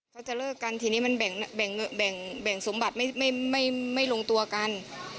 เขาจะเลิกกันทีนี้มันแบ่งสมบัติไม่ลงตัวกัน